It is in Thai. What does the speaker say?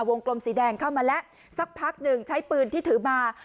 กลมสีแดงเข้ามาแล้วสักพักหนึ่งใช้ปืนที่ถือมา